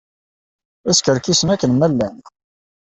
La skerkisen akken ma llan.